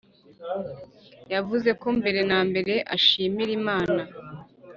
yavuze ko mbere na mbere ashimira Imana